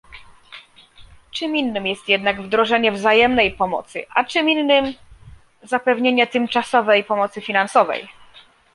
Czym innym jest jednak wdrożenie wzajemnej pomocy, a czym innym zapewnienie tymczasowej pomocy finansowej